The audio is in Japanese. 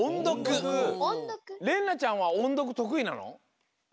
れんなちゃんはおんどくとくいなの？